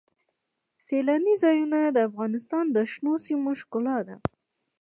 سیلانی ځایونه د افغانستان د شنو سیمو ښکلا ده.